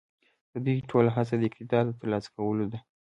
د دوی ټوله هڅه د اقتدار د تر لاسه کولو ده.